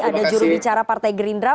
ada jurubicara partai gerindra